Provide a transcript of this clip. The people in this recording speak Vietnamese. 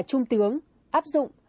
trung tướng áp dụng